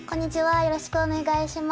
よろしくお願いします。